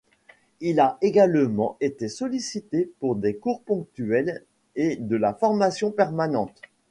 Il a également été sollicité pour des cours ponctuels et de la formation permanente.